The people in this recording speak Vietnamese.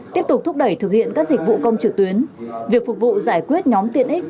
tiếp tục thúc đẩy thực hiện các dịch vụ công trực tuyến việc phục vụ giải quyết nhóm tiện ích